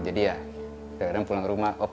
jadi ya kadang kadang pulang rumah